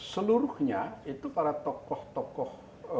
seluruhnya itu para tokoh tokoh